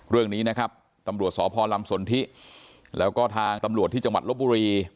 เรื่องนี้นะครับตำรวจสพลำสนทิแล้วก็ทางตำรวจที่จังหวัดลบบุรี